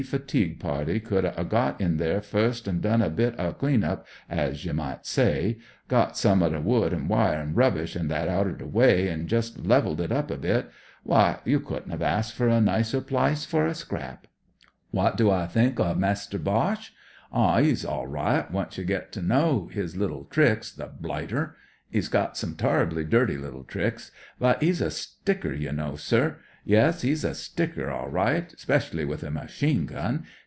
fatigue party could er got in there first an' done a bit uv a clean up, as ye might say; got some uv the wood an* wire an* rubbish an* that outer the wy, an* jest levelled it up er bit— wy, you couldn't *ve asked fer a nicer pHce fer a scrap. "Wot do I think uv Mister Boche ? Oh, *e's orlright once yer get ter know *is little tricks— the blighter. *E*s got some toler'bly dirty little tricks; but 'e*s a sticker, ye know, sir. Yuss, *e*s a sticker, orlright, 'specially with a machine gun.